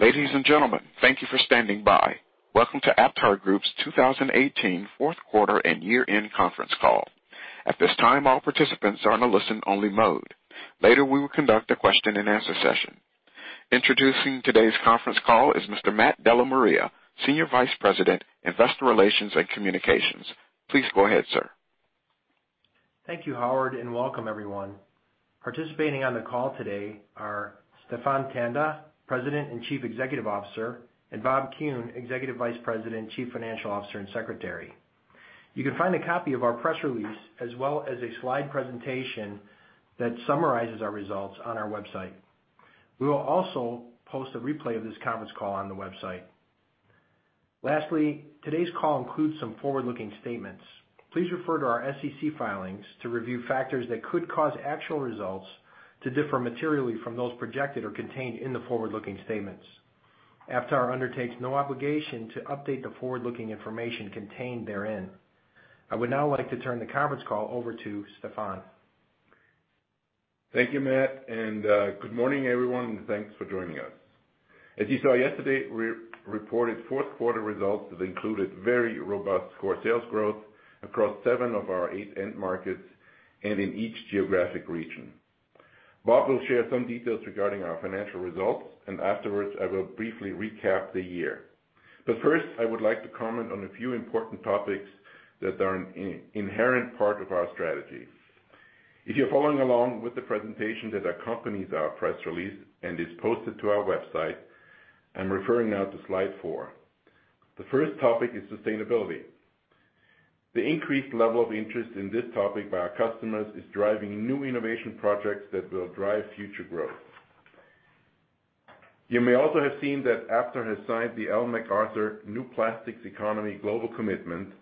Ladies and gentlemen, thank you for standing by. Welcome to AptarGroup's 2018 fourth quarter and year-end conference call. At this time, all participants are on a listen-only mode. Later, we will conduct a question and answer session. Introducing today's conference call is Mr. Matt DellaMaria, Senior Vice President, Investor Relations and Communications. Please go ahead, sir. Thank you, Howard, and welcome everyone. Participating on the call today are Stephan Tanda, President and Chief Executive Officer, and Robert Kuhn, Executive Vice President, Chief Financial Officer, and Secretary. You can find a copy of our press release as well as a slide presentation that summarizes our results on our website. We will also post a replay of this conference call on the website. Lastly, today's call includes some forward-looking statements. Please refer to our SEC filings to review factors that could cause actual results to differ materially from those projected or contained in the forward-looking statements. Aptar undertakes no obligation to update the forward-looking information contained therein. I would now like to turn the conference call over to Stephan. Thank you, Matt, and good morning, everyone, and thanks for joining us. As you saw yesterday, we reported fourth quarter results that included very robust core sales growth across seven of our eight end markets and in each geographic region. Bob will share some details regarding our financial results, and afterwards, I will briefly recap the year. First, I would like to comment on a few important topics that are an inherent part of our strategy. If you're following along with the presentation that accompanies our press release and is posted to our website, I'm referring now to slide four. The first topic is sustainability. The increased level of interest in this topic by our customers is driving new innovation projects that will drive future growth. You may also have seen that Aptar has signed the Ellen MacArthur New Plastics Economy Global Commitment,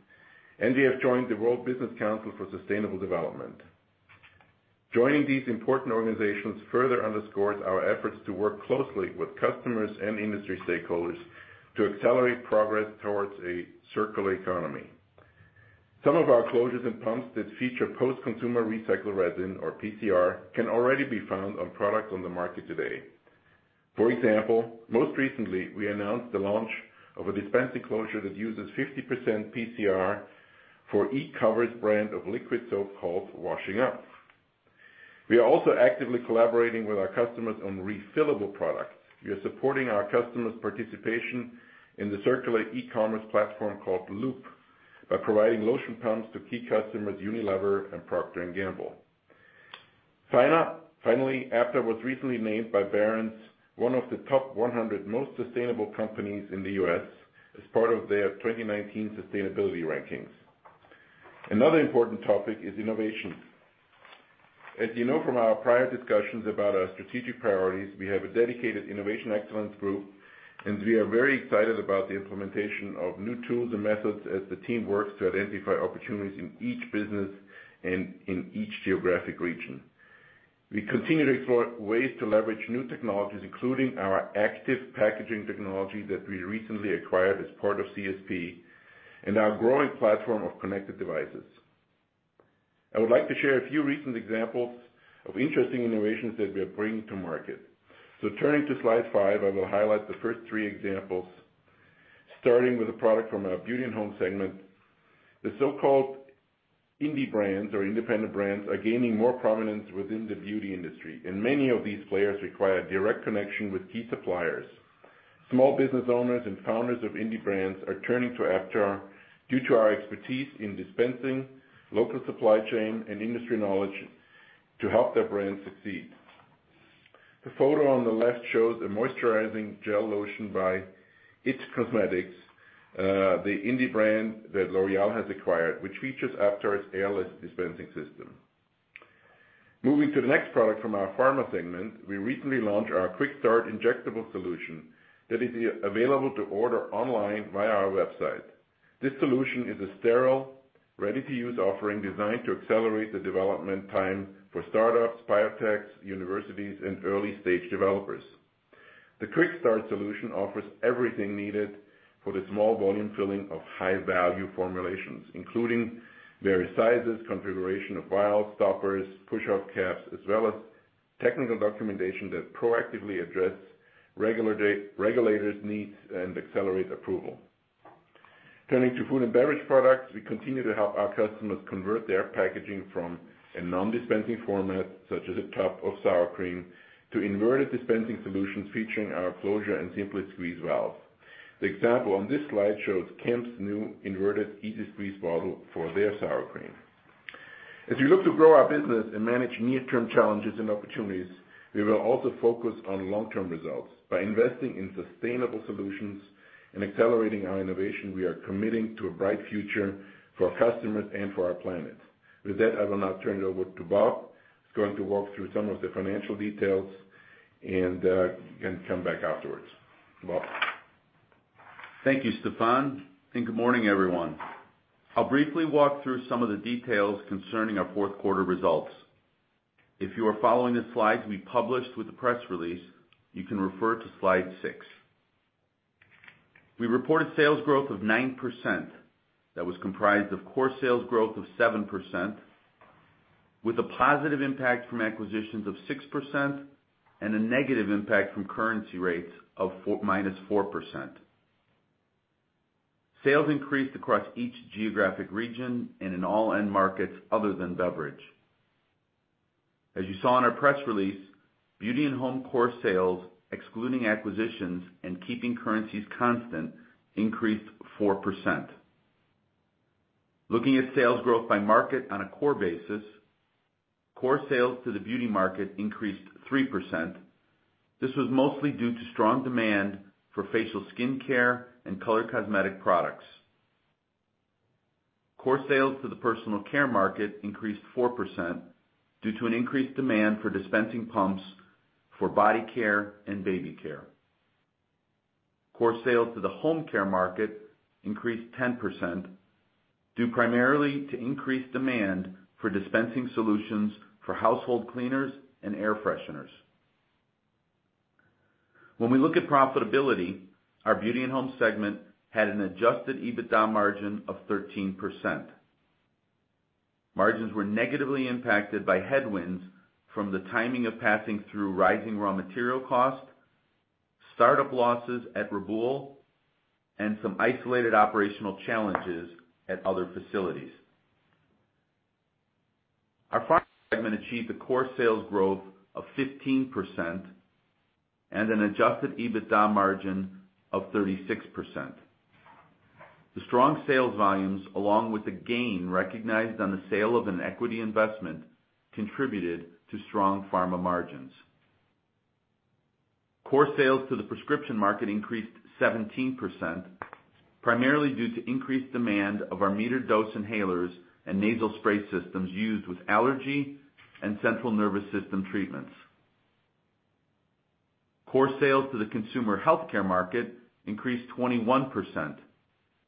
and we have joined the World Business Council for Sustainable Development. Joining these important organizations further underscores our efforts to work closely with customers and industry stakeholders to accelerate progress towards a circular economy. Some of our closures and pumps that feature post-consumer recycled resin, or PCR, can already be found on products on the market today. For example, most recently, we announced the launch of a dispensing closure that uses 50% PCR for Ecover's brand of liquid soap called Washing Up. We are also actively collaborating with our customers on refillable products. We are supporting our customers' participation in the circular e-commerce platform called Loop by providing lotion pumps to key customers, Unilever and Procter & Gamble. Aptar was recently named by Barron's, one of the top 100 most sustainable companies in the U.S. as part of their 2019 sustainability rankings. Another important topic is innovation. As you know from our prior discussions about our strategic priorities, we have a dedicated innovation excellence group, and we are very excited about the implementation of new tools and methods as the team works to identify opportunities in each business and in each geographic region. We continue to explore ways to leverage new technologies, including our active packaging technology that we recently acquired as part of CSP and our growing platform of connected devices. I would like to share a few recent examples of interesting innovations that we are bringing to market. Turning to slide five, I will highlight the first three examples, starting with a product from our Beauty and Home segment. The so-called indie brands or independent brands are gaining more prominence within the beauty industry. Many of these players require direct connection with key suppliers. Small business owners and founders of indie brands are turning to Aptar due to our expertise in dispensing, local supply chain, and industry knowledge to help their brands succeed. The photo on the left shows a moisturizing gel lotion by IT Cosmetics, the indie brand that L'Oréal has acquired, which features Aptar's airless dispensing system. Moving to the next product from our Pharma segment, we recently launched our QuickStart injectable solution that is available to order online via our website. This solution is a sterile, ready-to-use offering designed to accelerate the development time for startups, biotechs, universities, and early-stage developers. The QuickStart solution offers everything needed for the small volume filling of high-value formulations, including various sizes, configuration of vials, stoppers, push-up caps, as well as technical documentation that proactively address regulators' needs and accelerate approval. Turning to Food and Beverage products, we continue to help our customers convert their packaging from a non-dispensing format, such as a cup of sour cream, to inverted dispensing solutions featuring our closure and SimpliSqueeze valve. The example on this slide shows Kemps' new inverted Easy Squeeze bottle for their sour cream. As we look to grow our business and manage near-term challenges and opportunities, we will also focus on long-term results. By investing in sustainable solutions and accelerating our innovation, we are committing to a bright future for our customers and for our planet. With that, I will now turn it over to Bob, who's going to walk through some of the financial details and can come back afterwards. Bob. Thank you, Stephan, and good morning, everyone. I'll briefly walk through some of the details concerning our fourth quarter results. If you are following the slides we published with the press release, you can refer to slide six. We reported sales growth of 9% that was comprised of core sales growth of 7%, with a positive impact from acquisitions of 6% and a negative impact from currency rates of minus 4%. Sales increased across each geographic region and in all end markets other than beverage. As you saw in our press release, Beauty and Home core sales, excluding acquisitions and keeping currencies constant, increased 4%. Looking at sales growth by market on a core basis, core sales to the beauty market increased 3%. This was mostly due to strong demand for facial skincare and color cosmetic products. Core sales to the personal care market increased 4% due to an increased demand for dispensing pumps for body care and baby care. Core sales to the home care market increased 10%, due primarily to increased demand for dispensing solutions for household cleaners and air fresheners. When we look at profitability, our Beauty and Home segment had an adjusted EBITDA margin of 13%. Margins were negatively impacted by headwinds from the timing of passing through rising raw material costs, startup losses at Reboul, and some isolated operational challenges at other facilities. Our Pharma segment achieved a core sales growth of 15% and an adjusted EBITDA margin of 36%. The strong sales volumes, along with the gain recognized on the sale of an equity investment, contributed to strong Pharma margins. Core sales to the prescription market increased 17%, primarily due to increased demand of our metered dose inhalers and nasal spray systems used with allergy and central nervous system treatments. Core sales to the consumer healthcare market increased 21%,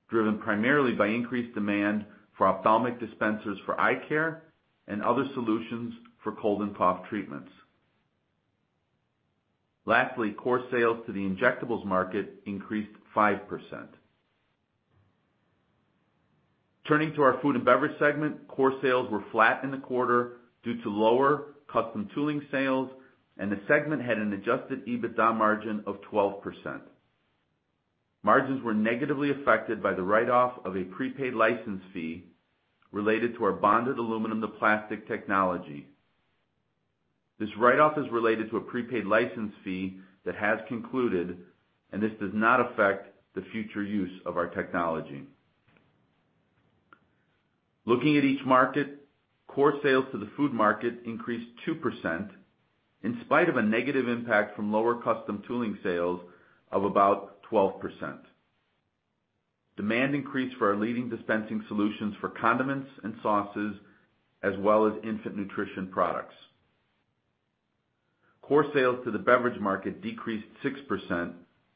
driven primarily by increased demand for ophthalmic dispensers for eye care and other solutions for cold and cough treatments. Lastly, core sales to the injectables market increased 5%. Turning to our Food and Beverage segment, core sales were flat in the quarter due to lower custom tooling sales, and the segment had an adjusted EBITDA margin of 12%. Margins were negatively affected by the write-off of a prepaid license fee related to our bonded aluminum to plastic technology. This write-off is related to a prepaid license fee that has concluded, and this does not affect the future use of our technology. Looking at each market, core sales to the food market increased 2%, in spite of a negative impact from lower custom tooling sales of about 12%. Demand increased for our leading dispensing solutions for condiments and sauces, as well as infant nutrition products. Core sales to the beverage market decreased 6%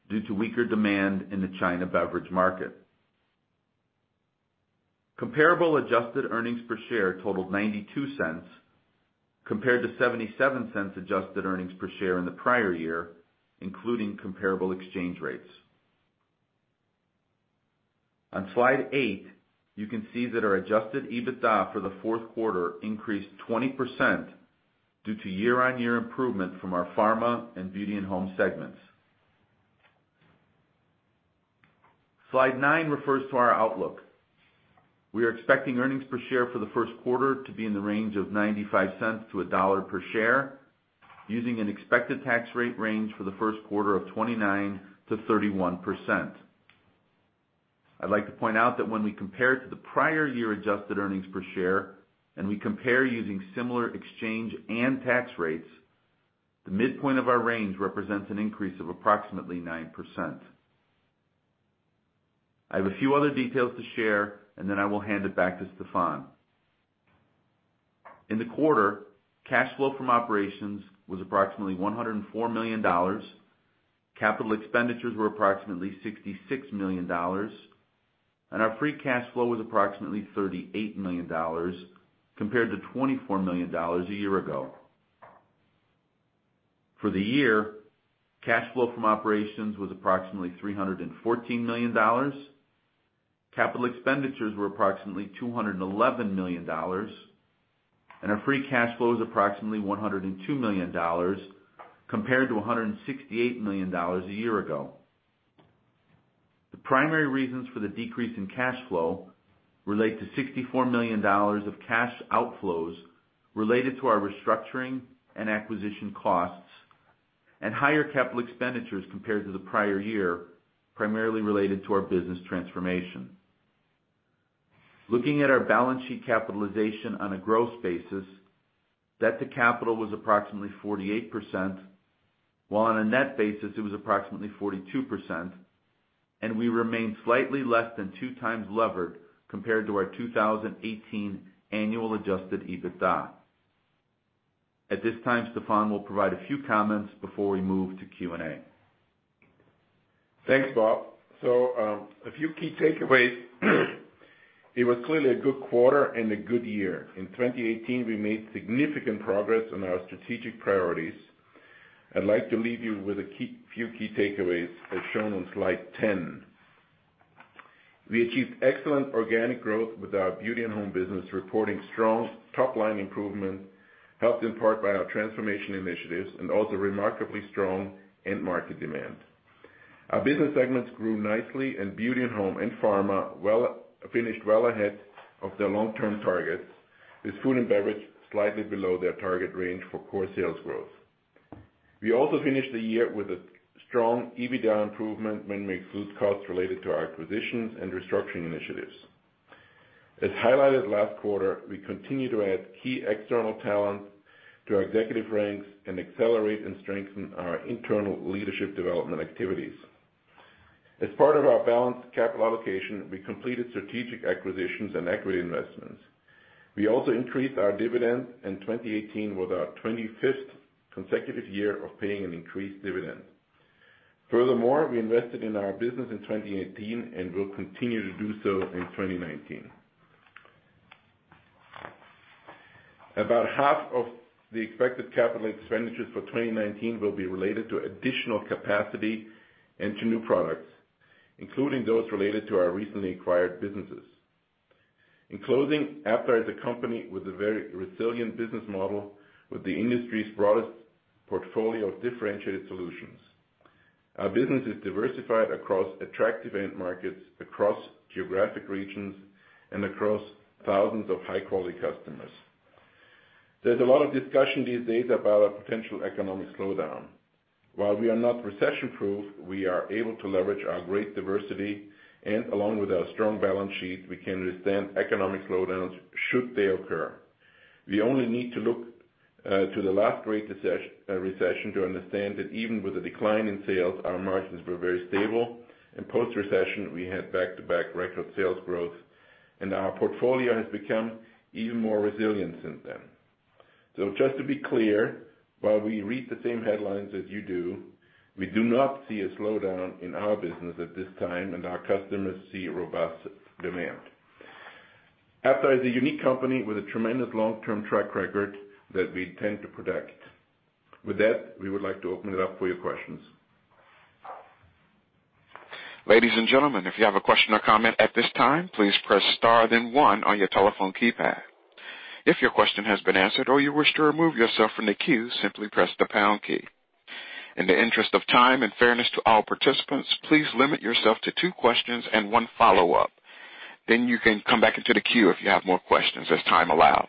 due to weaker demand in the China beverage market. Comparable adjusted earnings per share totaled $0.92 compared to $0.77 adjusted earnings per share in the prior year, including comparable exchange rates. On slide eight, you can see that our adjusted EBITDA for the fourth quarter increased 20% due to year-on-year improvement from our Pharma and Beauty & Home segments. Slide nine refers to our outlook. We are expecting earnings per share for the first quarter to be in the range of $0.95-$1.00 per share, using an expected tax rate range for the first quarter of 29%-31%. I'd like to point out that when we compare it to the prior year adjusted earnings per share, and we compare using similar exchange and tax rates, the midpoint of our range represents an increase of approximately 9%. I have a few other details to share, and then I will hand it back to Stephan. In the quarter, cash flow from operations was approximately $104 million. Capital expenditures were approximately $66 million, and our free cash flow was approximately $38 million, compared to $24 million a year ago. For the year, cash flow from operations was approximately $314 million. Capital expenditures were approximately $211 million, and our free cash flow is approximately $102 million, compared to $168 million a year ago. The primary reasons for the decrease in cash flow relate to $64 million of cash outflows related to our restructuring and acquisition costs and higher capital expenditures compared to the prior year, primarily related to our business transformation. Looking at our balance sheet capitalization on a gross basis, debt to capital was approximately 48%, while on a net basis, it was approximately 42%, and we remain slightly less than 2 times levered compared to our 2018 annual adjusted EBITDA. At this time, Stephan will provide a few comments before we move to Q&A. Thanks, Bob. A few key takeaways It was clearly a good quarter and a good year. In 2018, we made significant progress on our strategic priorities. I'd like to leave you with a few key takeaways, as shown on slide 10. We achieved excellent organic growth with our Beauty & Home business, reporting strong top-line improvement, helped in part by our transformation initiatives and also remarkably strong end market demand. Our business segments grew nicely in Beauty & Home and Pharma finished well ahead of their long-term targets, with Food & Beverage slightly below their target range for core sales growth. We also finished the year with a strong EBITDA improvement when we exclude costs related to our acquisitions and restructuring initiatives. As highlighted last quarter, we continue to add key external talent to our executive ranks and accelerate and strengthen our internal leadership development activities. As part of our balanced capital allocation, we completed strategic acquisitions and equity investments. We also increased our dividend, and 2018 was our 25th consecutive year of paying an increased dividend. Furthermore, we invested in our business in 2018 and will continue to do so in 2019. About half of the expected capital expenditures for 2019 will be related to additional capacity into new products, including those related to our recently acquired businesses. In closing, Aptar is a company with a very resilient business model with the industry's broadest portfolio of differentiated solutions. Our business is diversified across attractive end markets, across geographic regions, and across thousands of high-quality customers. There's a lot of discussion these days about a potential economic slowdown. While we are not recession-proof, we are able to leverage our great diversity, and along with our strong balance sheet, we can withstand economic slowdowns should they occur. We only need to look to the last great recession to understand that even with a decline in sales, our margins were very stable. In post-recession, we had back-to-back record sales growth, and our portfolio has become even more resilient since then. Just to be clear, while we read the same headlines as you do, we do not see a slowdown in our business at this time, and our customers see robust demand. Aptar is a unique company with a tremendous long-term track record that we intend to protect. With that, we would like to open it up for your questions. Ladies and gentlemen, if you have a question or comment at this time, please press star then one on your telephone keypad. If your question has been answered or you wish to remove yourself from the queue, simply press the pound key. In the interest of time and fairness to all participants, please limit yourself to two questions and one follow-up. You can come back into the queue if you have more questions as time allows.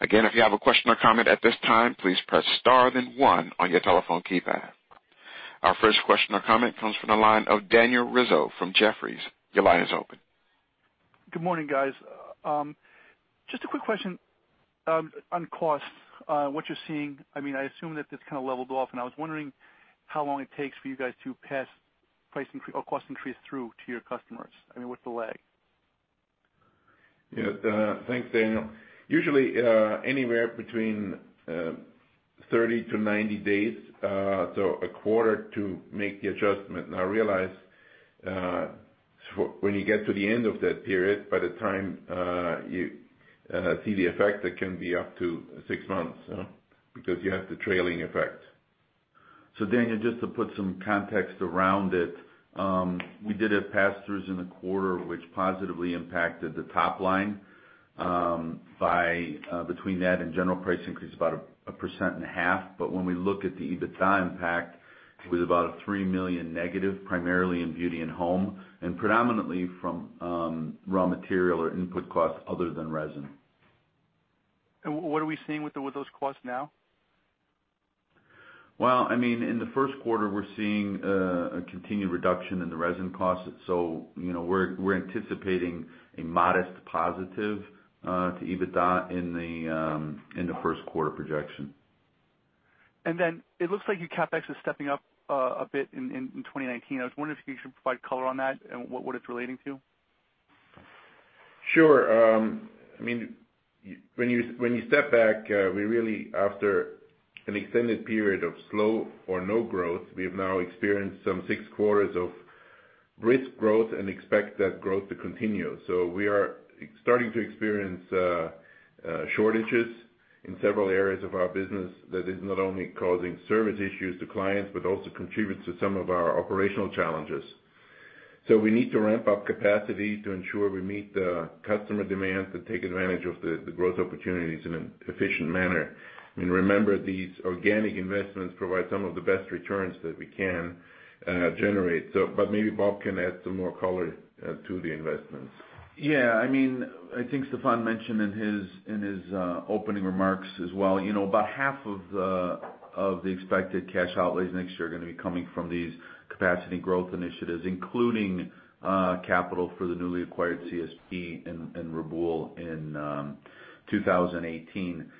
Again, if you have a question or comment at this time, please press star then one on your telephone keypad. Our first question or comment comes from the line of Daniel Rizzo from Jefferies. Your line is open. Good morning, guys. Just a quick question on cost, what you're seeing. I assume that this kind of leveled off, and I was wondering how long it takes for you guys to pass price or cost increase through to your customers. What's the lag? Yeah. Thanks, Daniel. Usually, anywhere between 30 to 90 days, so a quarter to make the adjustment. Now, realize, when you get to the end of that period, by the time you see the effect, it can be up to 6 months, because you have the trailing effect. Daniel, just to put some context around it. We did have pass-throughs in the quarter, which positively impacted the top line by, between that and general price increase, about a percent and a half. When we look at the EBITDA impact, it was about a $3 million negative, primarily in Beauty & Home, and predominantly from raw material or input costs other than resin. What are we seeing with those costs now? Well, in the first quarter, we're seeing a continued reduction in the resin costs, we're anticipating a modest positive to EBITDA in the first quarter projection. It looks like your CapEx is stepping up a bit in 2019. I was wondering if you could provide color on that and what it's relating to. Sure. When you step back, after an extended period of slow or no growth, we have now experienced some six quarters of brisk growth and expect that growth to continue. We are starting to experience shortages in several areas of our business that is not only causing service issues to clients but also contributes to some of our operational challenges. We need to ramp up capacity to ensure we meet the customer demands to take advantage of the growth opportunities in an efficient manner. Remember, these organic investments provide some of the best returns that we can generate. Maybe Bob can add some more color to the investments. I think Stephan mentioned in his opening remarks as well. About half of the expected cash outlays next year are going to be coming from these capacity growth initiatives, including capital for the newly acquired CSP and Reboul in 2018.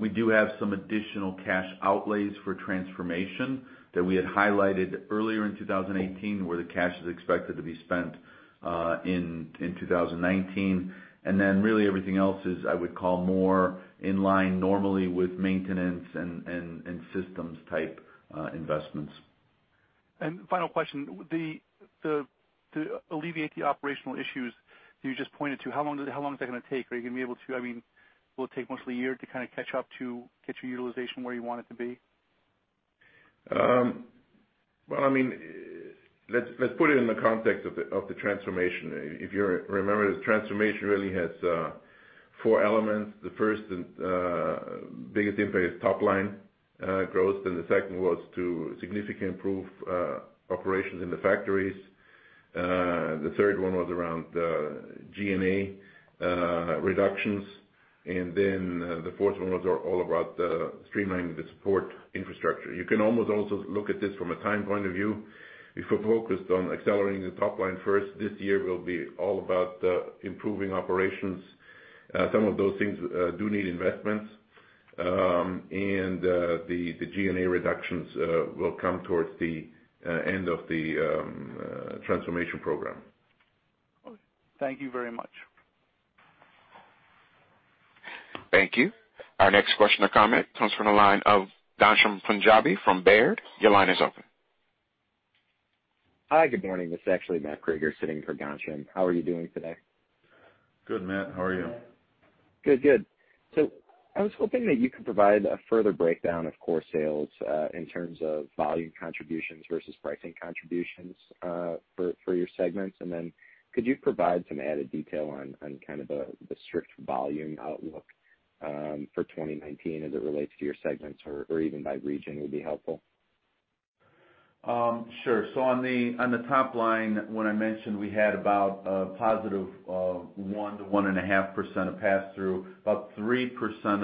We do have some additional cash outlays for transformation that we had highlighted earlier in 2018, where the cash is expected to be spent in 2019. Really everything else is, I would call, more in line normally with maintenance and systems type investments. Final question. To alleviate the operational issues you just pointed to, how long is that going to take? Are you going to be able to Will it take mostly a year to catch up to get your utilization where you want it to be? Well, let's put it in the context of the transformation. If you remember, the transformation really has four elements. The first and biggest impact is top-line growth, the second was to significantly improve operations in the factories. The third one was around G&A reductions, the fourth one was all about streamlining the support infrastructure. You can almost also look at this from a time point of view. If we're focused on accelerating the top line first, this year will be all about improving operations. Some of those things do need investments. The G&A reductions will come towards the end of the transformation program. Okay. Thank you very much. Thank you. Our next question or comment comes from the line of Ghansham Panjabi from Baird. Your line is open. Hi, good morning. This is actually Matthew Krueger sitting for Ghansham. How are you doing today? Good, Matt. How are you? Good. I was hoping that you could provide a further breakdown of core sales in terms of volume contributions versus pricing contributions for your segments. Could you provide some added detail on the strict volume outlook for 2019 as it relates to your segments or even by region would be helpful. Sure. On the top line, when I mentioned we had about a positive 1%-1.5% of pass-through, about 3%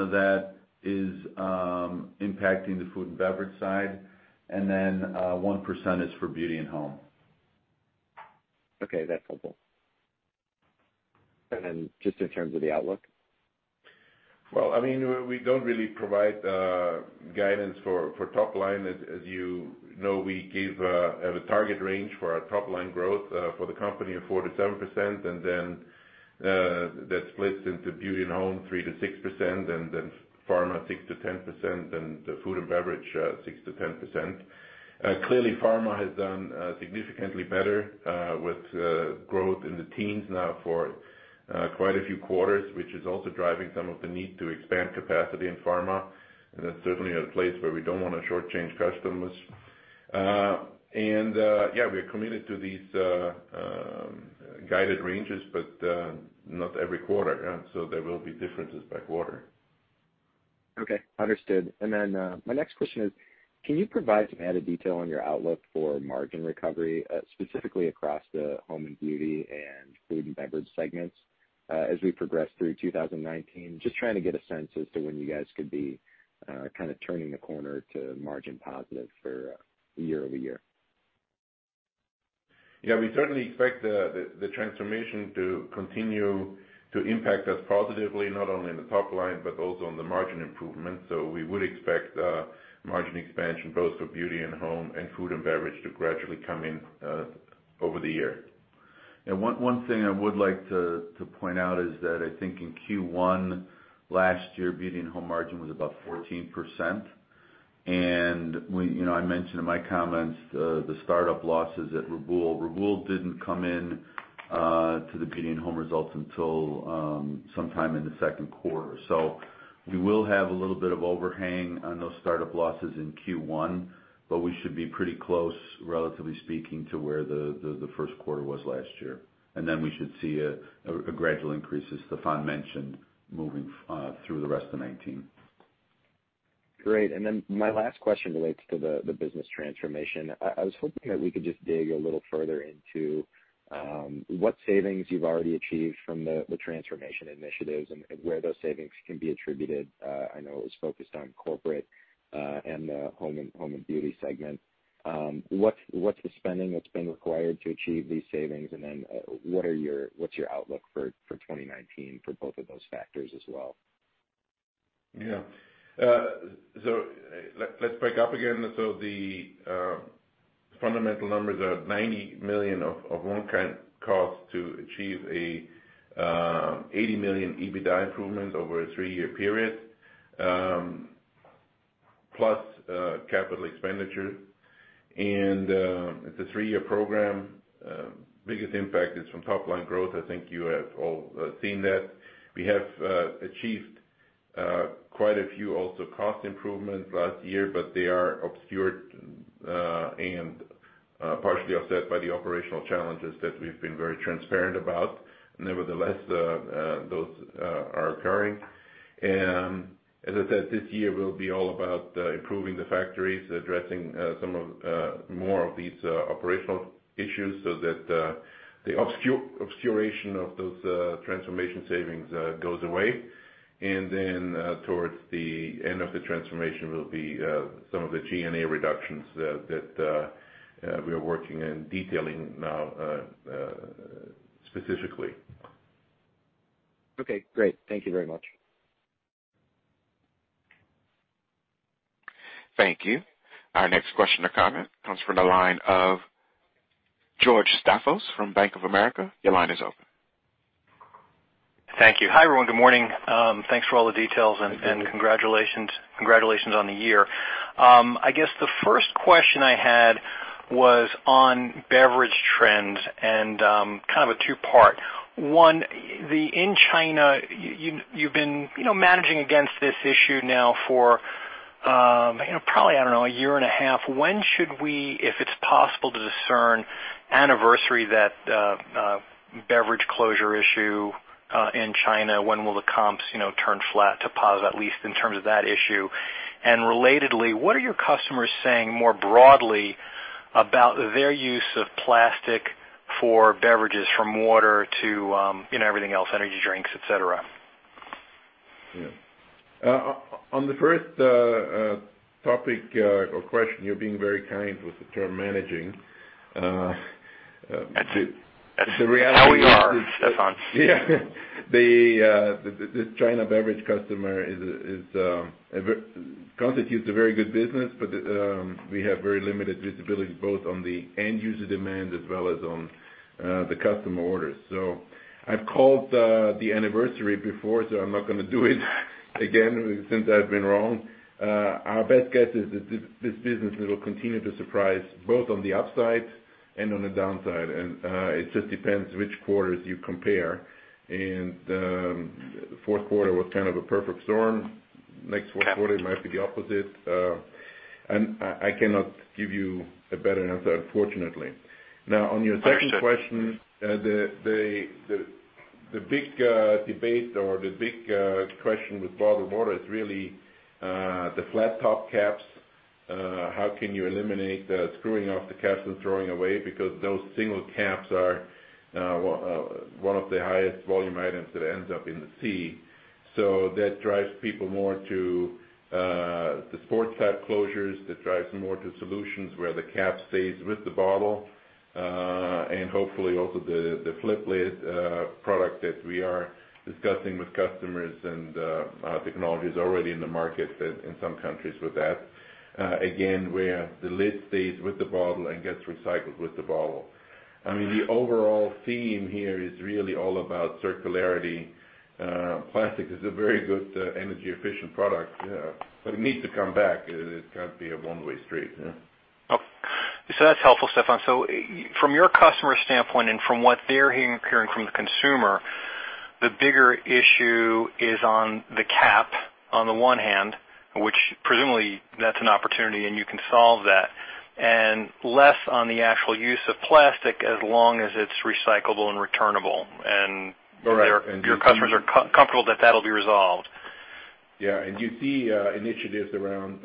of that is impacting the food and beverage side. 1% is for beauty and home. Okay, that's helpful. Just in terms of the outlook? Well, we don't really provide guidance for top-line. As you know, we have a target range for our top-line growth for the company of 4%-7%, then that splits into beauty and home 3%-6%, then pharma 6%-10%, and food and beverage 6%-10%. Clearly, pharma has done significantly better with growth in the teens now for quite a few quarters, which is also driving some of the need to expand capacity in pharma. That's certainly a place where we don't want to shortchange customers. Yeah, we are committed to these guided ranges, but not every quarter. There will be differences by quarter. Okay. Understood. Then my next question is: Can you provide some added detail on your outlook for margin recovery, specifically across the beauty and home and food and beverage segments as we progress through 2019? Just trying to get a sense as to when you guys could be turning the corner to margin positive for year-over-year. Yeah, we certainly expect the transformation to continue to impact us positively, not only in the top-line but also on the margin improvement. We would expect margin expansion both for beauty and home and food and beverage to gradually come in over the year. One thing I would like to point out is that I think in Q1 last year, beauty and home margin was about 14%. I mentioned in my comments the startup losses at Reboul. Reboul didn't come in to the beauty and home results until sometime in the second quarter. We will have a little bit of overhang on those startup losses in Q1, but we should be pretty close, relatively speaking, to where the first quarter was last year. Then we should see gradual increases Stephan mentioned moving through the rest of 2019. Great. My last question relates to the business transformation. I was hoping that we could just dig a little further into what savings you've already achieved from the transformation initiatives and where those savings can be attributed. I know it was focused on corporate and the Home and Beauty segment. What's the spending that's been required to achieve these savings, what's your outlook for 2019 for both of those factors as well? Yeah. Let's back up again. The fundamental numbers are $90 million of one-time cost to achieve an $80 million EBITDA improvement over a three-year period, plus capital expenditure. It's a three-year program. Biggest impact is from top-line growth. I think you have all seen that. We have achieved quite a few also cost improvements last year, but they are obscured and partially offset by the operational challenges that we've been very transparent about. Nevertheless, those are occurring. As I said, this year will be all about improving the factories, addressing more of these operational issues so that the obscuration of those transformation savings goes away. Towards the end of the transformation will be some of the G&A reductions that we are working and detailing now specifically. Okay, great. Thank you very much. Thank you. Our next question or comment comes from the line of George Staphos from Bank of America. Your line is open. Thank you. Hi, everyone. Good morning. Thanks for all the details and congratulations on the year. I guess the first question I had was on beverage trends and kind of a two-part. One, in China, you've been managing against this issue now for probably, I don't know, a year and a half. When should we, if it's possible to discern, anniversary that beverage closure issue in China? When will the comps turn flat to positive, at least in terms of that issue? Relatedly, what are your customers saying more broadly about their use of plastic for beverages, from water to everything else, energy drinks, et cetera? Yeah. On the first topic or question, you're being very kind with the term managing. That's it. The reality is. That's how we are, Stephan. Yeah. The China beverage customer constitutes a very good business. We have very limited visibility, both on the end-user demand as well as on the customer orders. I've called the anniversary before, I'm not going to do it again since I've been wrong. Our best guess is that this business will continue to surprise both on the upside and on the downside. It just depends which quarters you compare. The fourth quarter was kind of a perfect storm. Next fourth quarter- Yeah it might be the opposite. I cannot give you a better answer, unfortunately. Now, on your second question, the big debate or the big question with bottled water is really the flat top caps. How can you eliminate the screwing off the caps and throwing away, because those single caps are one of the highest volume items that ends up in the sea. That drives people more to the sports cap closures. That drives more to solutions where the cap stays with the bottle. Hopefully also the flip lid product that we are discussing with customers and technologies already in the market in some countries with that. Again, where the lid stays with the bottle and gets recycled with the bottle. I mean, the overall theme here is really all about circularity. Plastic is a very good energy efficient product. Yeah. It needs to come back. It can't be a one-way street, yeah. Oh. That's helpful, Stephan. From your customer standpoint and from what they're hearing from the consumer, the bigger issue is on the cap on the one hand, which presumably that's an opportunity and you can solve that, and less on the actual use of plastic as long as it's recyclable and returnable. Correct. Your customers are comfortable that that'll be resolved. Yeah. You see initiatives around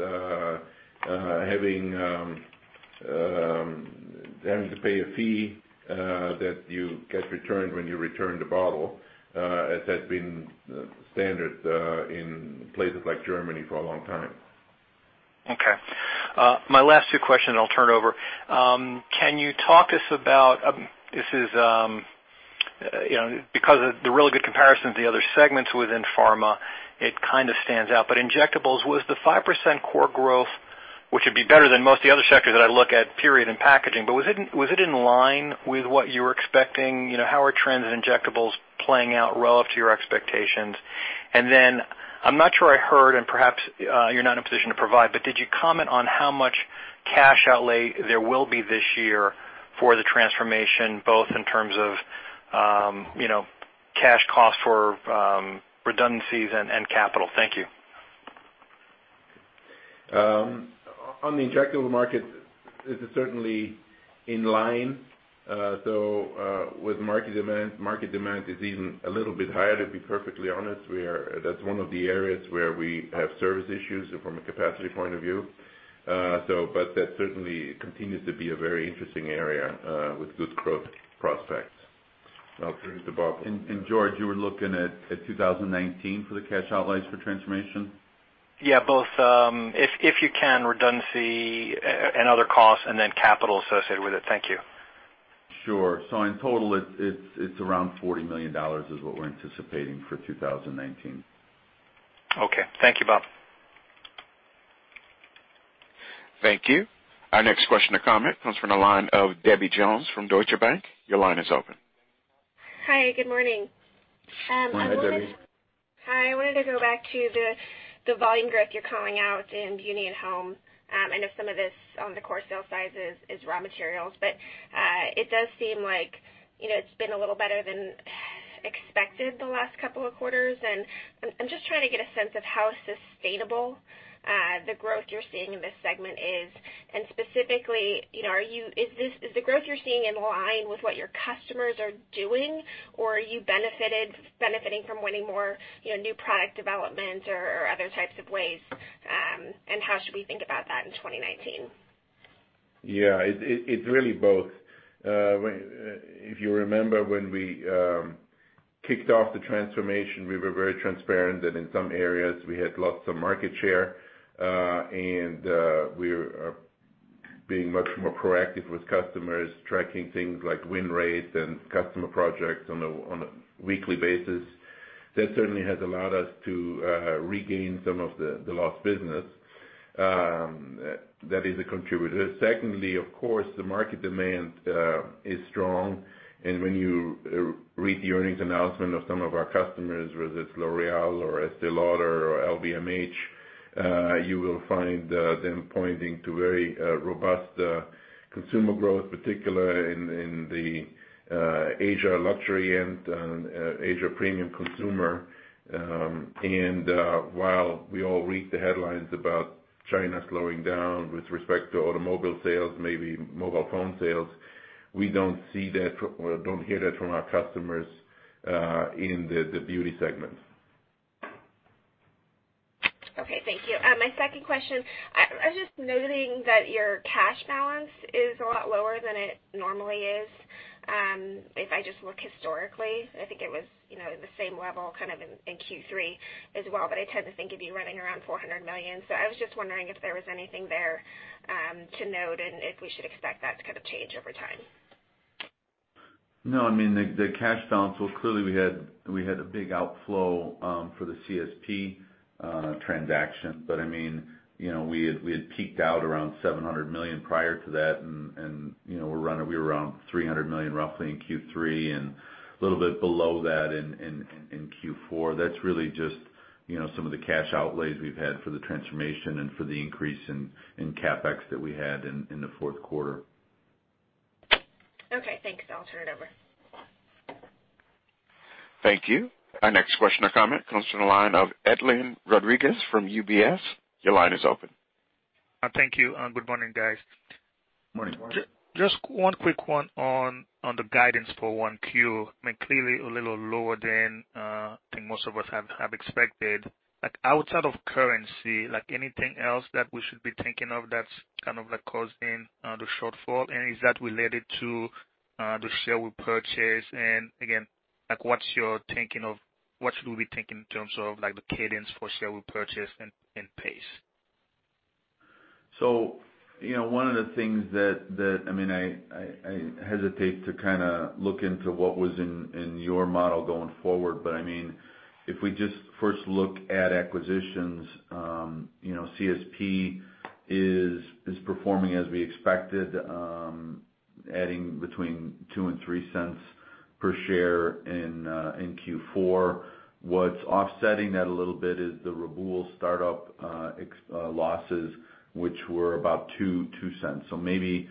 having to pay a fee that you get returned when you return the bottle as had been standard in places like Germany for a long time. Okay. My last two questions and I'll turn over. Can you talk to us? This is because of the really good comparison to the other segments within pharma, it kind of stands out. Injectables, was the 5% core growth, which would be better than most of the other sectors that I look at, period in packaging. Was it in line with what you were expecting? How are trends in injectables playing out relative to your expectations? Then I'm not sure I heard, perhaps you're not in a position to provide, did you comment on how much cash outlay there will be this year for the transformation, both in terms of cash costs for redundancies and capital? Thank you. On the injectable market, this is certainly in line. With market demand, it's even a little bit higher, to be perfectly honest. That's one of the areas where we have service issues from a capacity point of view. That certainly continues to be a very interesting area with good growth prospects. I'll turn to Bob. George, you were looking at 2019 for the cash outlays for transformation? Yeah, both. If you can, redundancy and other costs, capital associated with it. Thank you. Sure. In total, it's around $40 million is what we're anticipating for 2019. Okay. Thank you, Bob. Thank you. Our next question or comment comes from the line of Debbie Jones from Deutsche Bank. Your line is open. Hi, good morning. Hi, Debbie. Hi. I wanted to go back to the volume growth you're calling out in beauty and home. I know some of this on the core sale size is raw materials, but it does seem like it's been a little better than expected the last couple of quarters. I'm just trying to get a sense of how sustainable the growth you're seeing in this segment is. Specifically, is the growth you're seeing in line with what your customers are doing, or are you benefiting from winning more new product development or other types of ways? How should we think about that in 2019? Yeah. It's really both. If you remember when we kicked off the transformation, we were very transparent that in some areas we had lost some market share. We're being much more proactive with customers, tracking things like win rates and customer projects on a weekly basis. That certainly has allowed us to regain some of the lost business. That is a contributor. Secondly, of course, the market demand is strong. When you read the earnings announcement of some of our customers, whether it's L'Oréal or Estée Lauder or LVMH, you will find them pointing to very robust consumer growth, particularly in the Asia luxury and Asia premium consumer. While we all read the headlines about China slowing down with respect to automobile sales, maybe mobile phone sales, we don't hear that from our customers in the beauty segment. Okay. Thank you. My second question, I was just noting that your cash balance is a lot lower than it normally is. If I just look historically, I think it was the same level in Q3 as well, but I tend to think it'd be running around $400 million. I was just wondering if there was anything there to note and if we should expect that to change over time. The cash balance, well, clearly we had a big outflow for the CSP transaction. We had peaked out around $700 million prior to that, and we were around $300 million roughly in Q3 and a little bit below that in Q4. That's really just some of the cash outlays we've had for the transformation and for the increase in CapEx that we had in the fourth quarter. Okay, thanks. I'll turn it over. Thank you. Our next question or comment comes from the line of Edlain Rodriguez from UBS. Your line is open. Thank you. Good morning, guys. Morning. Morning. Just one quick one on the guidance for 1Q. Clearly a little lower than I think most of us have expected. Like outside of currency, anything else that we should be thinking of that's causing the shortfall? Is that related to the share repurchase? Again, what should we be thinking in terms of the cadence for share repurchase and pace? One of the things that I hesitate to look into what was in your model going forward, if we just first look at acquisitions, CSP is performing as we expected, adding between $0.02-$0.03 per share in Q4. What's offsetting that a little bit is the Reboul startup losses, which were about $0.02.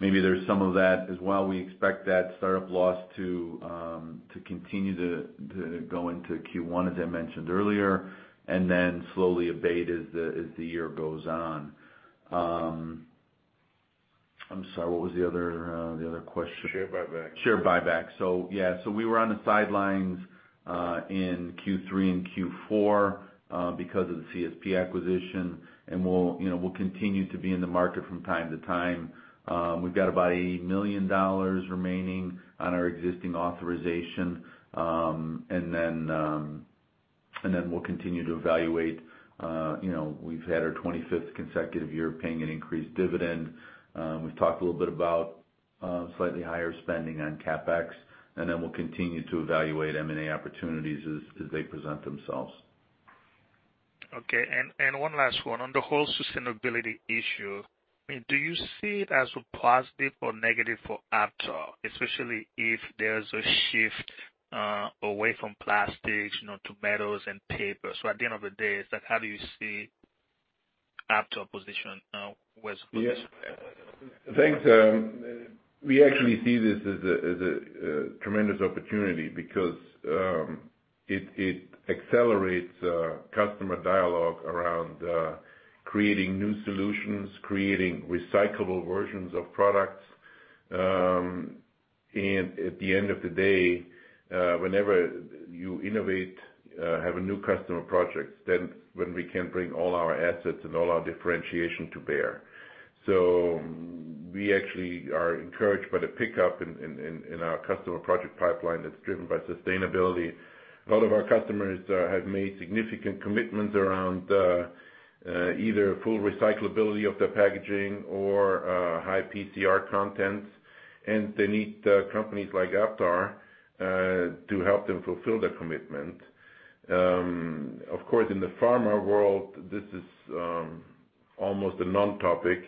Maybe there's some of that as well. We expect that startup loss to continue to go into Q1, as I mentioned earlier, then slowly abate as the year goes on. I'm sorry, what was the other question? Share repurchase. Share repurchase. Yeah, we were on the sidelines in Q3 and Q4 because of the CSP acquisition, we'll continue to be in the market from time to time. We've got about $80 million remaining on our existing authorization, we'll continue to evaluate. We've had our 25th consecutive year of paying an increased dividend. We've talked a little bit about slightly higher spending on CapEx, we'll continue to evaluate M&A opportunities as they present themselves. Okay. One last one. On the whole sustainability issue, do you see it as a positive or negative for Aptar, especially if there's a shift away from plastics to metals and paper? At the end of the day, how do you see Aptar positioned with sustainability? I think we actually see this as a tremendous opportunity because it accelerates customer dialogue around creating new solutions, creating recyclable versions of products. At the end of the day, whenever you innovate, have a new customer project, then when we can bring all our assets and all our differentiation to bear. We actually are encouraged by the pickup in our customer project pipeline that's driven by sustainability. A lot of our customers have made significant commitments around either full recyclability of their packaging or high PCR content. They need companies like Aptar to help them fulfill their commitment. Of course, in the pharma world, this is almost a non-topic.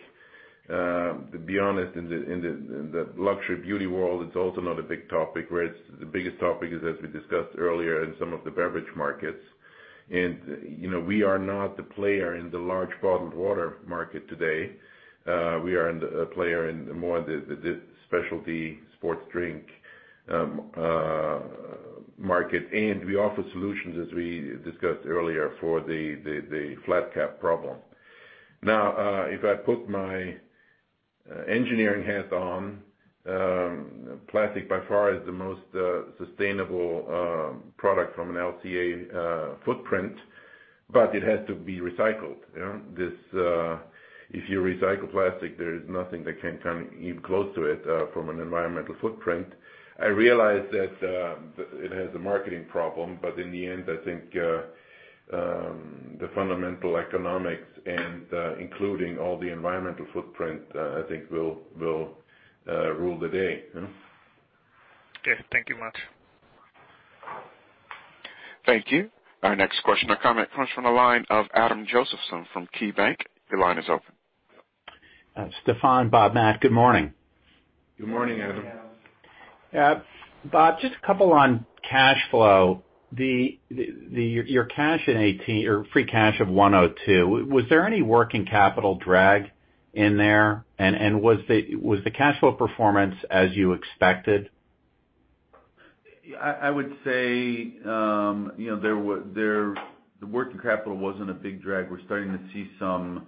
To be honest, in the luxury beauty world, it's also not a big topic, whereas the biggest topic is, as we discussed earlier, in some of the beverage markets. We are not the player in the large bottled water market today. We are a player in more of the specialty sports drink market, and we offer solutions, as we discussed earlier, for the flat cap problem. If I put my engineering hat on, plastic by far is the most sustainable product from an LCA footprint, but it has to be recycled. If you recycle plastic, there is nothing that can come even close to it from an environmental footprint. I realize that it has a marketing problem, but in the end, I think the fundamental economics and including all the environmental footprint, I think will rule the day. Okay. Thank you much. Thank you. Our next question or comment comes from the line of Adam Josephson from KeyBanc. Your line is open. Stephan, Bob, Matt, good morning. Good morning, Adam. Bob, just a couple on cash flow. Your cash in 2018 or free cash of $102, was there any working capital drag in there? Was the cash flow performance as you expected? I would say, the working capital wasn't a big drag. We're starting to see some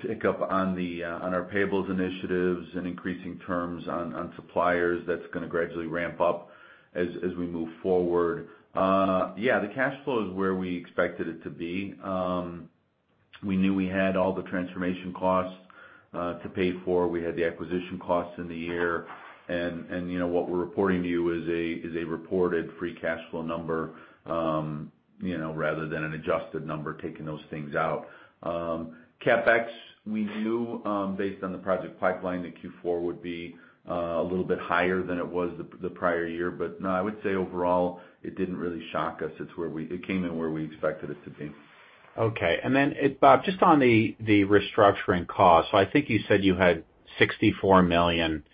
pickup on our payables initiatives and increasing terms on suppliers that's going to gradually ramp up as we move forward. Yeah, the cash flow is where we expected it to be. We knew we had all the transformation costs to pay for. We had the acquisition costs in the year, and what we're reporting to you is a reported free cash flow number, rather than an adjusted number, taking those things out. CapEx, we knew, based on the project pipeline, that Q4 would be a little bit higher than it was the prior year. No, I would say overall, it didn't really shock us. It came in where we expected it to be. Okay. Bob, just on the restructuring cost, I think you said you had $64 million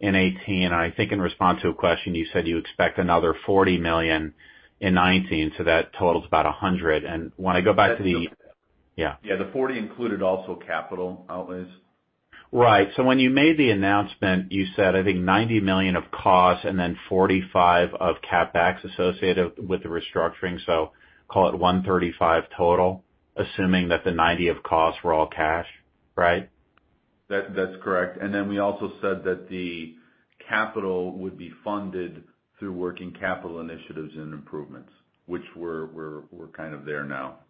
in 2018. I think in response to a question, you said you expect another $40 million in 2019, that totals about $100 million. When I go back to the Yeah. Yeah, the $40 million included also capital outlays. Right. When you made the announcement, you said, I think $90 million of costs and $45 million of CapEx associated with the restructuring. Call it $135 million total, assuming that the $90 million of costs were all cash, right? That's correct. We also said that the capital would be funded through working capital initiatives and improvements, which we're kind of there now.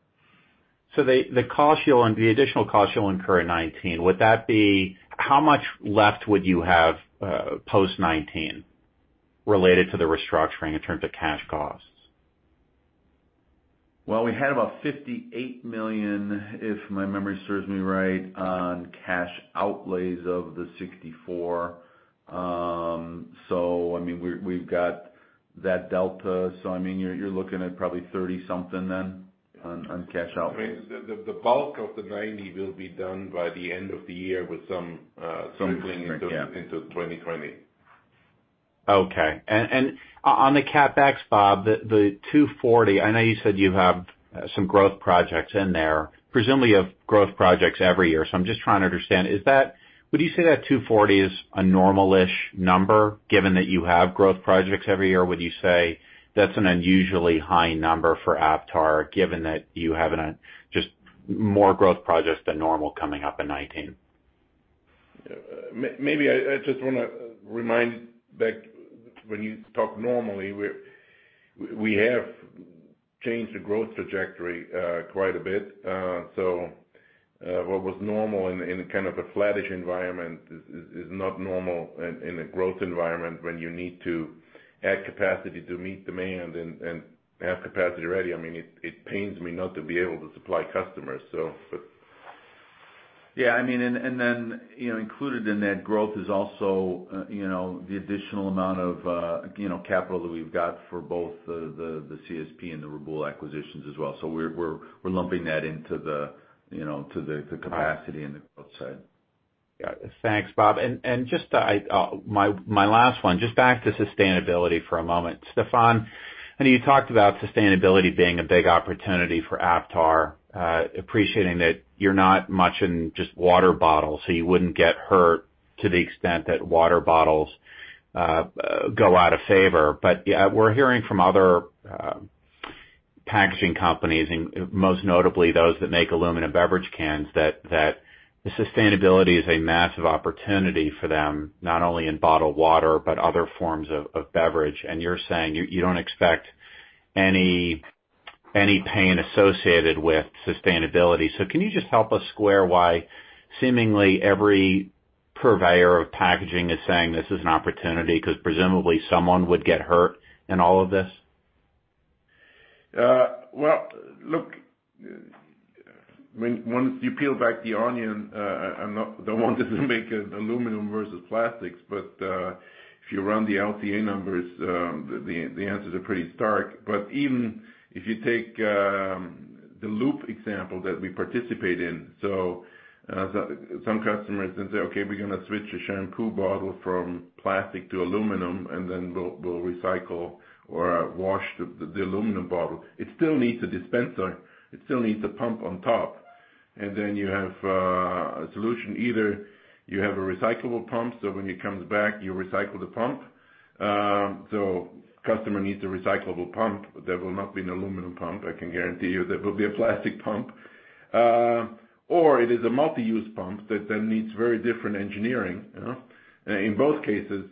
The additional costs you'll incur in 2019, how much left would you have post 2019 related to the restructuring in terms of cash costs? We had about $58 million, if my memory serves me right, on cash outlays of the $64. We've got that delta. You're looking at probably 30 something then on cash outlays. The bulk of the $90 will be done by the end of the year. Some lingering, yeah trickling into 2020. Okay. On the CapEx, Bob, the $240, I know you said you have some growth projects in there, presumably you have growth projects every year. I'm just trying to understand. Would you say that $240 is a normal-ish number, given that you have growth projects every year? Would you say that's an unusually high number for Aptar, given that you have just more growth projects than normal coming up in 2019? Maybe I just want to remind back when you talk normally, we have changed the growth trajectory quite a bit. What was normal in kind of a flattish environment is not normal in a growth environment when you need to add capacity to meet demand and have capacity ready. It pains me not to be able to supply customers. Yeah. Included in that growth is also the additional amount of capital that we've got for both the CSP and the Reboul acquisitions as well. We're lumping that into the capacity in the growth side. Got it. Thanks, Bob. My last one, just back to sustainability for a moment. Stephan, I know you talked about sustainability being a big opportunity for Aptar, appreciating that you're not much in just water bottles, so you wouldn't get hurt to the extent that water bottles go out of favor. We're hearing from other packaging companies, and most notably, those that make aluminum beverage cans, that the sustainability is a massive opportunity for them, not only in bottled water, but other forms of beverage. You're saying you don't expect any pain associated with sustainability. Can you just help us square why seemingly every purveyor of packaging is saying this is an opportunity? Presumably, someone would get hurt in all of this. Well, look, once you peel back the onion, I don't want this to make it aluminum versus plastics, but if you run the LCA numbers, the answers are pretty stark. Even if you take the Loop example that we participate in, some customers then say, "Okay, we're going to switch a shampoo bottle from plastic to aluminum, and then we'll recycle or wash the aluminum bottle." It still needs a dispenser. It still needs a pump on top. Then you have a solution, either you have a recyclable pump, when it comes back, you recycle the pump. Customer needs a recyclable pump. That will not be an aluminum pump, I can guarantee you. That will be a plastic pump. It is a multi-use pump that needs very different engineering. In both cases,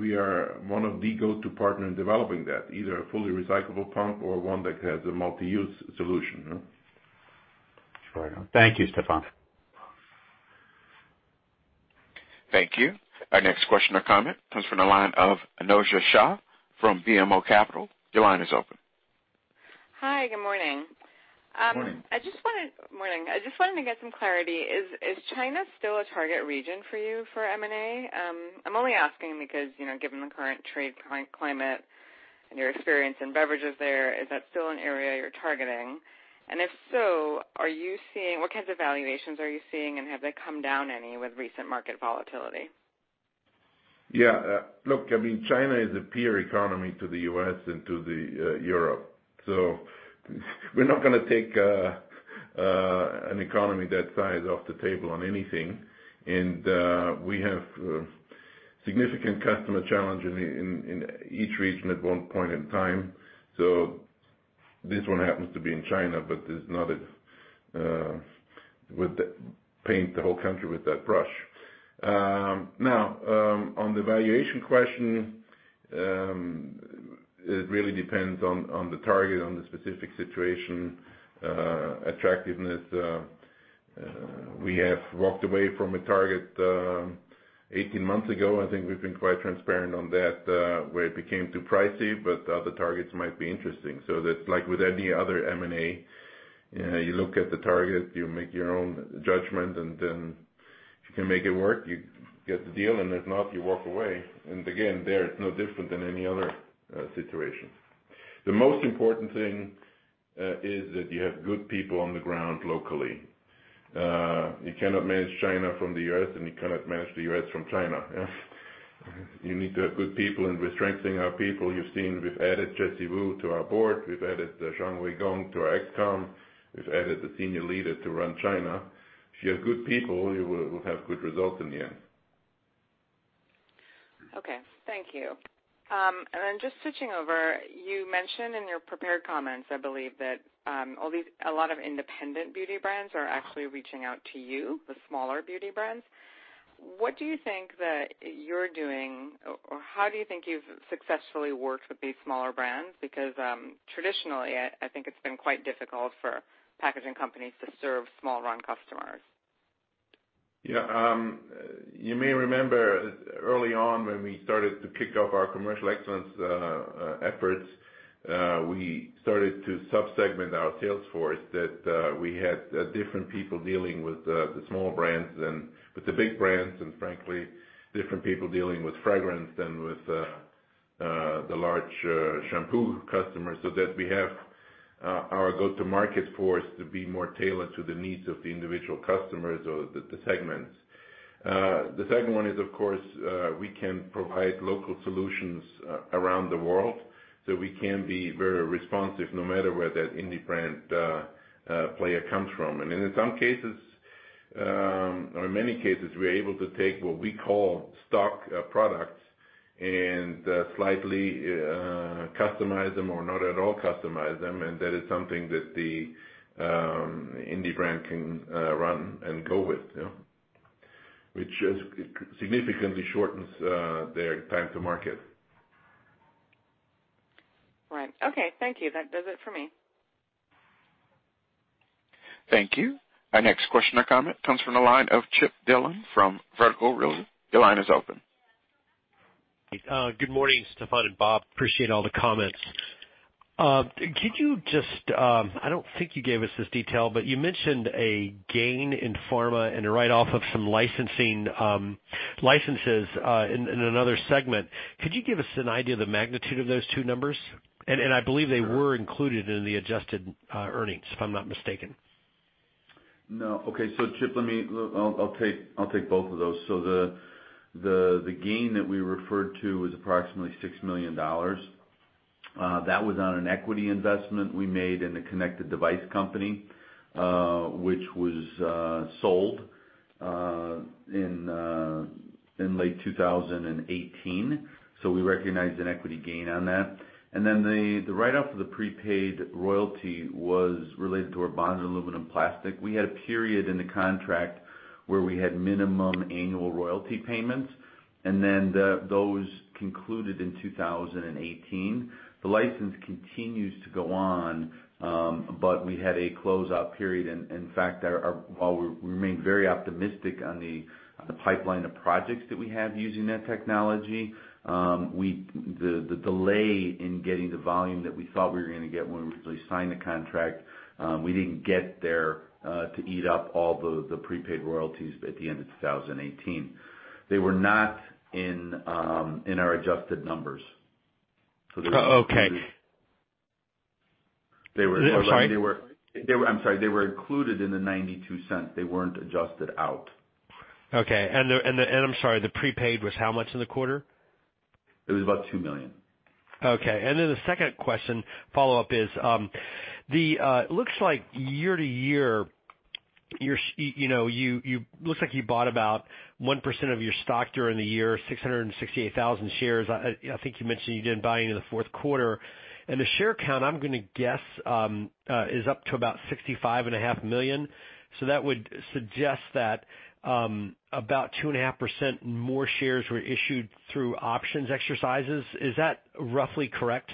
we are one of the go-to partner in developing that, either a fully recyclable pump or one that has a multi-use solution. Thank you, Stephan. Thank you. Our next question or comment comes from the line of Anojja Shah from BMO Capital. Your line is open. Hi, good morning. Morning. Morning. I just wanted to get some clarity. Is China still a target region for you for M&A? I'm only asking because, given the current trade climate and your experience in beverages there, is that still an area you're targeting? If so, what kinds of valuations are you seeing, and have they come down any with recent market volatility? Look, China is a peer economy to the U.S. and to Europe. We're not going to take an economy that size off the table on anything. We have significant customer challenge in each region at one point in time. This one happens to be in China, but would paint the whole country with that brush. On the valuation question, it really depends on the target, on the specific situation, attractiveness. We have walked away from a target 18 months ago, I think we've been quite transparent on that, where it became too pricey, but other targets might be interesting. That, like with any other M&A, you look at the target, you make your own judgment, and then if you can make it work, you get the deal, and if not, you walk away. Again, there, it's no different than any other situation. The most important thing is that you have good people on the ground locally. You cannot manage China from the U.S., and you cannot manage the U.S. from China. You need to have good people, and we're strengthening our people. You've seen we've added Jesse Wu to our board. We've added Zhang Weigong to our ExCom. We've added a senior leader to run China. If you have good people, you will have good results in the end. Thank you. Just switching over, you mentioned in your prepared comments, I believe, that a lot of independent beauty brands are actually reaching out to you, the smaller beauty brands. What do you think that you're doing, or how do you think you've successfully worked with these smaller brands? Traditionally, I think it's been quite difficult for packaging companies to serve small run customers. You may remember early on when we started to kick off our commercial excellence efforts, we started to sub-segment our sales force that we had different people dealing with the small brands than with the big brands, and frankly, different people dealing with fragrance than with the large shampoo customers, so that we have our go-to-market force to be more tailored to the needs of the individual customers or the segments. The second one is, of course, we can provide local solutions around the world, so we can be very responsive no matter where that indie brand player comes from. In some cases, or in many cases, we are able to take what we call stock products and slightly customize them or not at all customize them, and that is something that the indie brand can run and go with, which significantly shortens their time to market. Right. Okay. Thank you. That does it for me. Thank you. Our next question or comment comes from the line of Chip Dillon from Vertical Research Partners. Your line is open. Good morning, Stephan and Bob. Appreciate all the comments. I don't think you gave us this detail, but you mentioned a gain in pharma and a write-off of some licenses in another segment. Could you give us an idea of the magnitude of those two numbers? I believe they were included in the adjusted earnings, if I'm not mistaken. No. Okay. Chip, I'll take both of those. The gain that we referred to was approximately $6 million. That was on an equity investment we made in a connected device company, which was sold in late 2018. We recognized an equity gain on that. The write-off of the prepaid royalty was related to our Bonded Aluminum to Plastic. We had a period in the contract where we had minimum annual royalty payments, those concluded in 2018. The license continues to go on, but we had a closeout period. In fact, while we remain very optimistic on the pipeline of projects that we have using that technology, the delay in getting the volume that we thought we were going to get when we originally signed the contract, we didn't get there to eat up all the prepaid royalties at the end of 2018. They were not in our adjusted numbers. Oh, okay. I'm sorry. I'm sorry. They were included in the $0.92. They weren't adjusted out. Okay. I'm sorry, the prepaid was how much in the quarter? It was about $2 million. Okay. The second question follow-up is, it looks like year-over-year, it looks like you bought about 1% of your stock during the year, 668,000 shares. I think you mentioned you didn't buy any in the fourth quarter. The share count, I'm going to guess, is up to about 65.5 million. That would suggest that about 2.5% more shares were issued through options exercises. Is that roughly correct?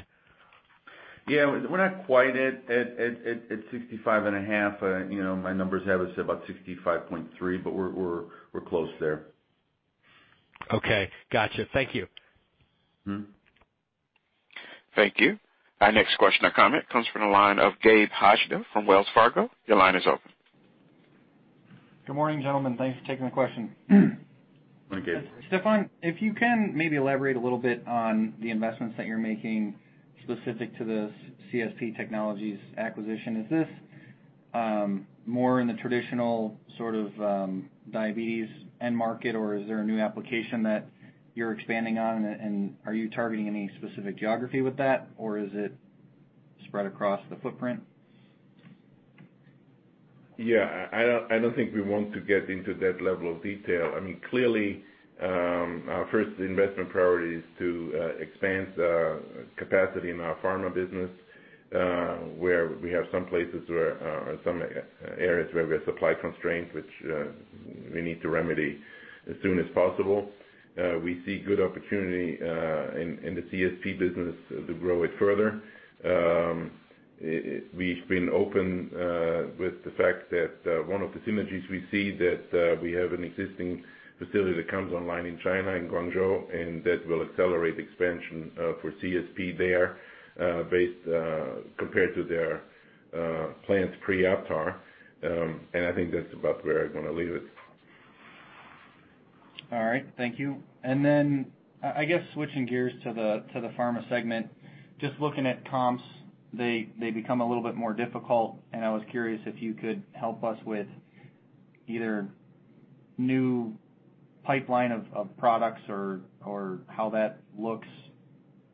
Yeah. We're not quite at 65.5. My numbers have us at about 65.3, we're close there. Okay, gotcha. Thank you. Thank you. Our next question or comment comes from the line of Gabe Hajde from Wells Fargo. Your line is open. Good morning, gentlemen. Thanks for taking the question. Hi, Gabe. Stefan, if you can maybe elaborate a little bit on the investments that you're making specific to the CSP Technologies acquisition. Is this more in the traditional sort of diabetes end market, or is there a new application that you're expanding on? Are you targeting any specific geography with that, or is it spread across the footprint? I don't think we want to get into that level of detail. Clearly, our first investment priority is to expand the capacity in our pharma business, where we have some places or some areas where we have supply constraints, which we need to remedy as soon as possible. We see good opportunity in the CSP business to grow it further. We've been open with the fact that one of the synergies we see that we have an existing facility that comes online in China, in Guangzhou, that will accelerate expansion for CSP there based compared to their plans pre-Aptar. I think that's about where I'm going to leave it. All right. Thank you. Then, I guess switching gears to the pharma segment. Just looking at comps, they become a little bit more difficult, and I was curious if you could help us with either new pipeline of products or how that looks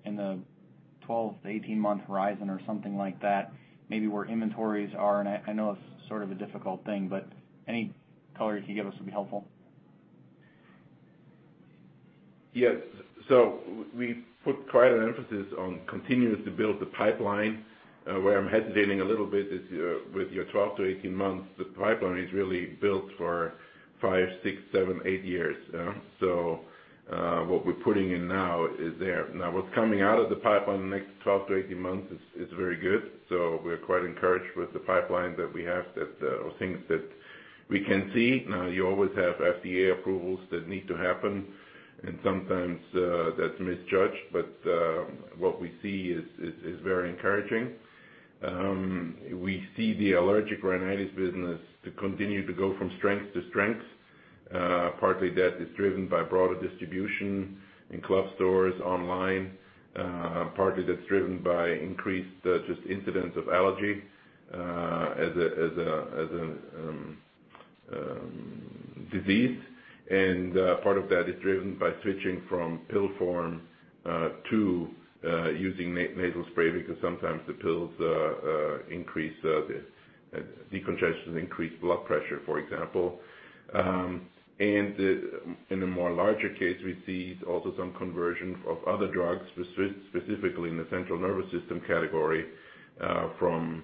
in the 12-18 months horizon, or something like that. Maybe where inventories are. I know it's sort of a difficult thing, but any color you could give us would be helpful. Yes. We put quite an emphasis on continuing to build the pipeline. Where I'm hesitating a little bit is with your 12-18 months, the pipeline is really built for five, six, seven, eight years. What we're putting in now is there. Now, what's coming out of the pipeline in the next 12-18 months is very good, we're quite encouraged with the pipeline that we have or things that we can see. Now, you always have FDA approvals that need to happen, sometimes that's misjudged. What we see is very encouraging. We see the allergic rhinitis business to continue to go from strength to strength. Partly, that is driven by broader distribution in club stores, online. Partly, that's driven by increased just incidence of allergy as a disease. Part of that is driven by switching from pill form to using nasal spray, because sometimes the pills increase decongestants, increase blood pressure, for example. In a more larger case, we see also some conversion of other drugs, specifically in the central nervous system category, from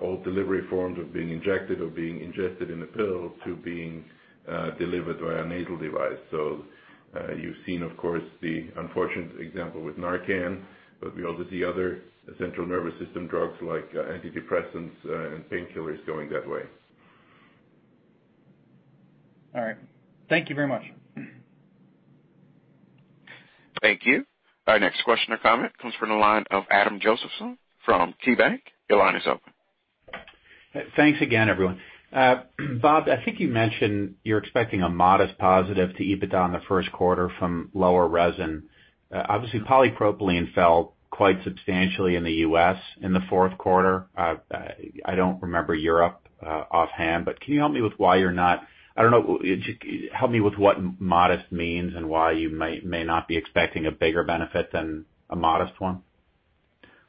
old delivery forms of being injected or being ingested in a pill to being delivered via nasal device. You've seen, of course, the unfortunate example with NARCAN, we also see other central nervous system drugs like antidepressants and painkillers going that way. All right. Thank you very much. Thank you. Our next question or comment comes from the line of Adam Josephson from KeyBanc. Your line is open. Thanks again, everyone. Bob, I think you mentioned you're expecting a modest positive to EBITDA in the first quarter from lower resin. Obviously, polypropylene fell quite substantially in the U.S. in the fourth quarter. I don't remember Europe offhand, but can you help me with what modest means and why you may not be expecting a bigger benefit than a modest one.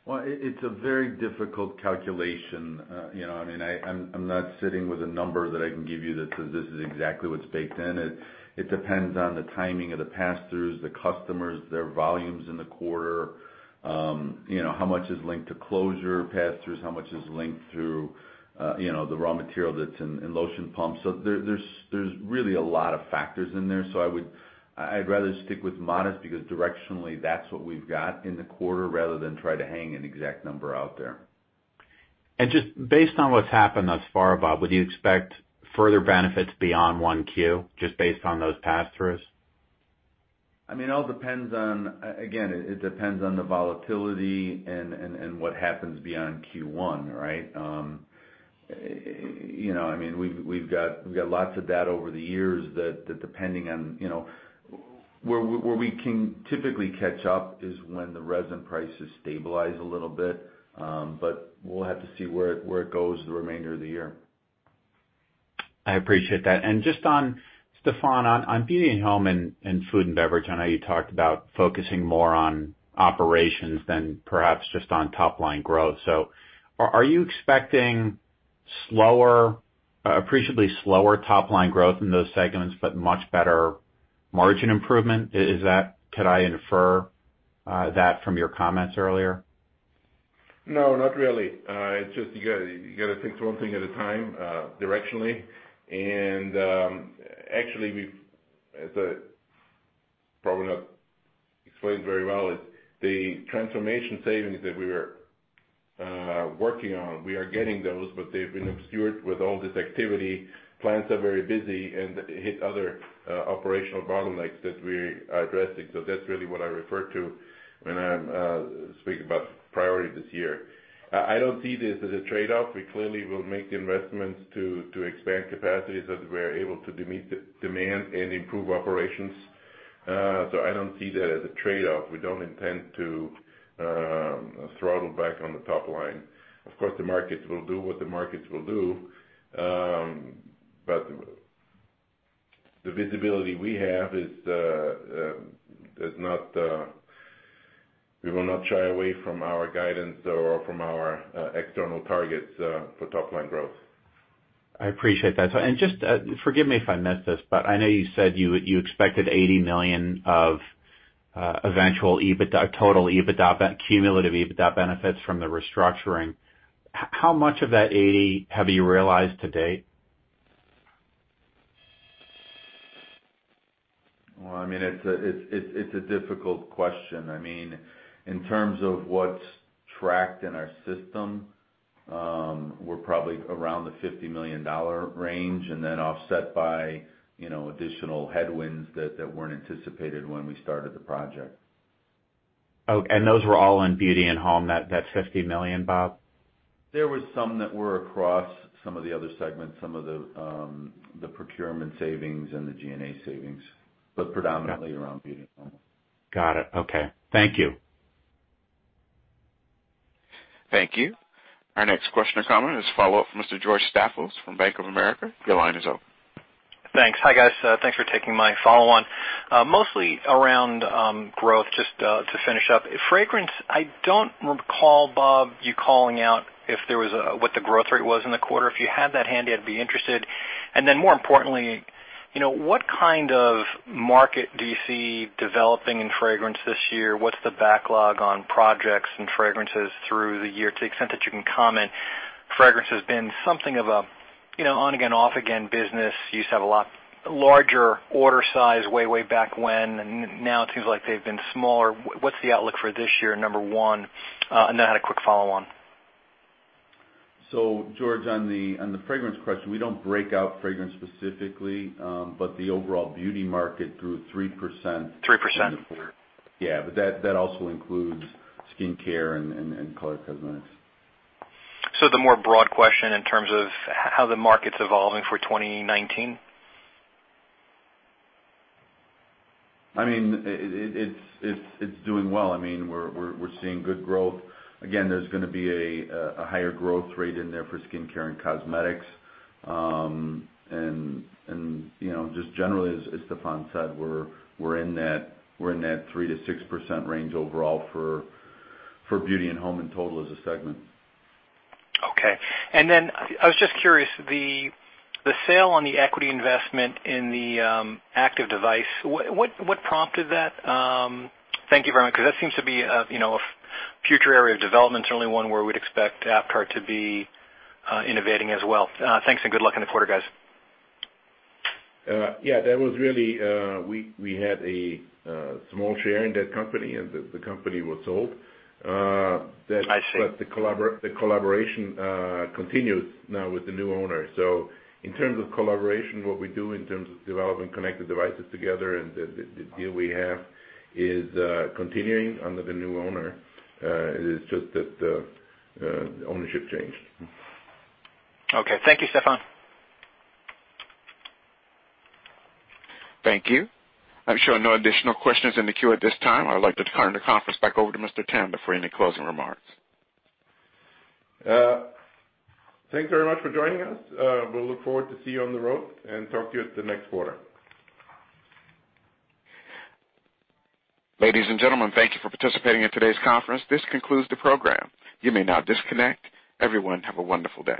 It's a very difficult calculation. I'm not sitting with a number that I can give you that says this is exactly what's baked in. It depends on the timing of the pass-throughs, the customers, their volumes in the quarter. How much is linked to closure pass-throughs, how much is linked through the raw material that's in lotion pumps. There's really a lot of factors in there. I'd rather stick with modest because directionally, that's what we've got in the quarter, rather than try to hang an exact number out there. Based on what's happened thus far, Bob, would you expect further benefits beyond 1Q, just based on those pass-throughs? It all depends on, again, it depends on the volatility and what happens beyond Q1, right? We've got lots of data over the years that depending on where we can typically catch up is when the resin prices stabilize a little bit. We'll have to see where it goes the remainder of the year. I appreciate that. Just on, Stefan, on Beauty and Home and Food and Beverage, I know you talked about focusing more on operations than perhaps just on top-line growth. Are you expecting appreciably slower top-line growth in those segments, but much better margin improvement? Could I infer that from your comments earlier? No, not really. It's just you got to take one thing at a time directionally. Explained very well is the transformation savings that we were working on. We are getting those, but they've been obscured with all this activity. Plants are very busy and hit other operational bottlenecks that we are addressing. That's really what I refer to when I'm speaking about priority this year. I don't see this as a trade-off. We clearly will make the investments to expand capacities that we're able to meet the demand and improve operations. I don't see that as a trade-off. We don't intend to throttle back on the top line. Of course, the markets will do what the markets will do. The visibility we have, we will not shy away from our guidance or from our external targets for top-line growth. I appreciate that. Just forgive me if I missed this, I know you said you expected $80 million of eventual total cumulative EBITDA benefits from the restructuring. How much of that $80 have you realized to date? Well, it's a difficult question. In terms of what's tracked in our system, we're probably around the $50 million range, offset by additional headwinds that weren't anticipated when we started the project. Those were all in beauty and home, that $50 million, Bob? There was some that were across some of the other segments, some of the procurement savings and the G&A savings, but predominantly around beauty and home. Got it, okay. Thank you. Thank you. Our next question or comment is follow-up from Mr. George Staphos from Bank of America. Your line is open. Thanks. Hi, guys. Thanks for taking my follow-on. Mostly around growth, just to finish up. Fragrance, I don't recall, Bob, you calling out what the growth rate was in the quarter. If you had that handy, I'd be interested. More importantly, what kind of market do you see developing in fragrance this year? What's the backlog on projects and fragrances through the year to the extent that you can comment? Fragrance has been something of an on-again, off-again business. You used to have a lot larger order size way back when, and now it seems like they've been smaller. What's the outlook for this year, number one? I had a quick follow-on. George, on the fragrance question, we don't break out fragrance specifically. The overall beauty market grew 3%. 3%. Yeah. That also includes skincare and color cosmetics. The more broad question in terms of how the market's evolving for 2019? It's doing well. We're seeing good growth. Again, there's going to be a higher growth rate in there for skincare and cosmetics. Just generally, as Stephan said, we're in that 3%-6% range overall for beauty and home in total as a segment. Okay. I was just curious, the sale on the equity investment in the active device, what prompted that? Thank you very much, because that seems to be a future area of development and certainly one where we'd expect Aptar to be innovating as well. Thanks and good luck on the quarter, guys. Yeah, that was really, we had a small share in that company, and the company was sold. I see. The collaboration continues now with the new owner. In terms of collaboration, what we do in terms of developing connected devices together and the deal we have is continuing under the new owner. It is just that the ownership changed. Okay. Thank you, Stephan. Thank you. I'm showing no additional questions in the queue at this time. I would like to turn the conference back over to Mr. Tanda0:03:50 for any closing remarks. Thanks very much for joining us. We'll look forward to see you on the road and talk to you at the next quarter. Ladies and gentlemen, thank you for participating in today's conference. This concludes the program. You may now disconnect. Everyone, have a wonderful day.